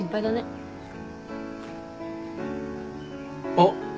あっ。